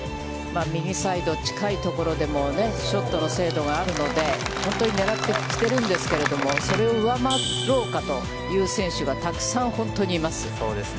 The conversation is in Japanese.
右サイド近いところでも、ショットの精度があるので、本当に狙ってきてるんですけれども、それを上回ろうかという選手がたくさん本当にいます。